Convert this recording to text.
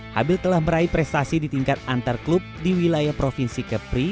habil telah meraih prestasi di tingkat antar klub di wilayah provinsi kepri